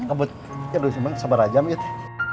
aduh sebera jam itu